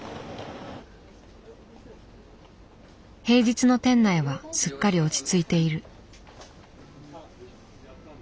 平日の店内はすっかり落ち着いている。